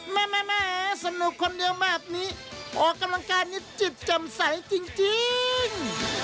แม่แม่สนุกคนเดียวแบบนี้ออกกำลังกายนิดจิตจำใสจริง